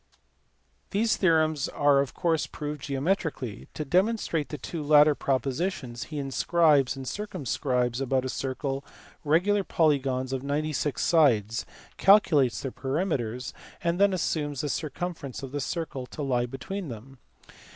These theorems are of course proved geometrically. To demonstrate the two latter propositions, he inscribes in and circumscribes about a circle regular polygons of ninety six sides, calculates their perimeters, and then assumes the cir cumference of the circle to lie between them.